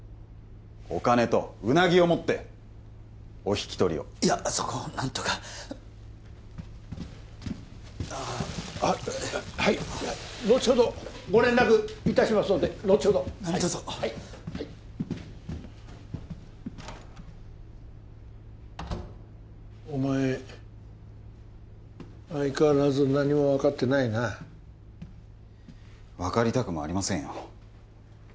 お金とうなぎを持ってお引き取りをいやそこを何とかはいのちほどご連絡いたしますのでのちほど何とぞはいはいはいお前相変わらず何も分かってないな分かりたくもありませんよ